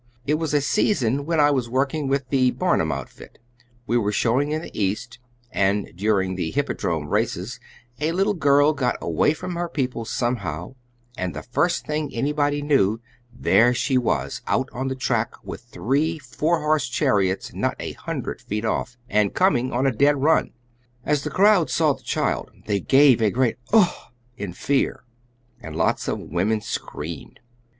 It was a season when I was working with the Barnum outfit; we were showing in the East, and during the hippodrome races a little girl got away from her people somehow, and the first thing anybody knew, there she was out on the track, with three four horse chariots not a hundred feet off, and coming on a dead run. As the crowd saw the child they gave a great 'Uff' in fear, and lots of women screamed.